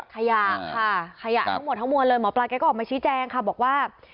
ขยะค่ะขยะทั้งหมดทั้งมวลเลยหมอปลาแกก็ออกมาชี้แจงค่ะบอกว่า